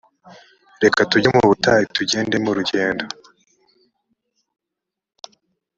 reka tujye mu butayu tugendemo urugendo